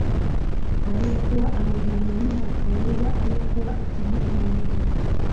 Aliyekuwa amejiinamia akauliza aliyekuwa akimwita ni nani